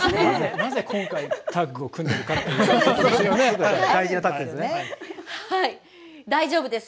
なぜ今回タッグを組んでいるかです。